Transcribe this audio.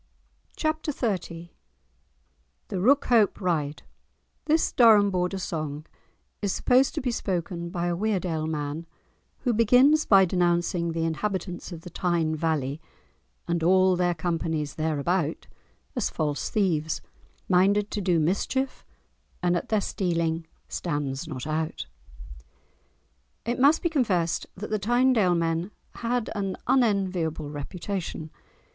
*Chapter XXX* *The Rookhope Ride* This Durham border song is supposed to be spoken by a Weardale man, who begins by denouncing the inhabitants of the Tyne valley, "and all their companies there about" as false thieves, "minded to do mischief And at their stealing stands not out." It must be confessed that the Tynedale men had an unenviable reputation.